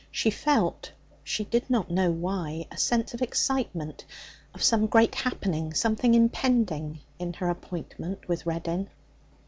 She felt, she did not know why, a sense of excitement, of some great happening, something impending, in her appointment with Reddin.